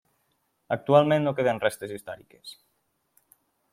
Actualment no queden restes històriques.